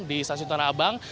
di stasiun tanah abang